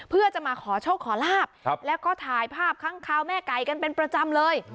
เพื่อจะมาขอโชคขอลาบแล้วก็ถ่ายภาพค้างคาวแม่ไก่กันเป็นประจำเลย